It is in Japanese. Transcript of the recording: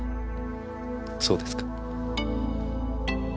そうですか。